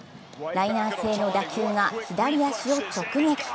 ライナー性の打球が左足を直撃。